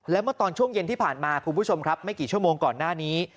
และเมื่อตอนช่วงเย็นที่ผ่านมาคุณผู้ชมครับไม่กี่ชั่วโมงก่อนหน้านี้